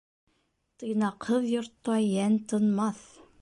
Тыйнаҡһыҙ йортта йән тынмаҫ.